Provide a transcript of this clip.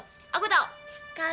kalian pasti salah makan kan